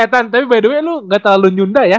eh tan tapi btw lu gak terlalu nyunda ya